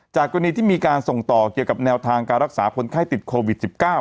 กรณีที่มีการส่งต่อเกี่ยวกับแนวทางการรักษาคนไข้ติดโควิด๑๙